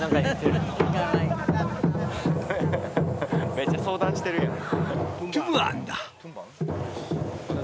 めっちゃ相談してるやん